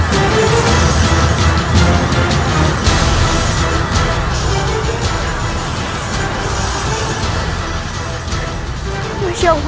tangan ku sembuh